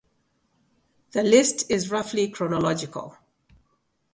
The list is roughly chronological.